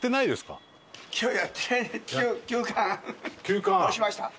休館？どうしました？